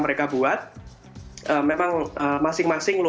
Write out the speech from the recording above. sekarang p throttle itu benar benar keren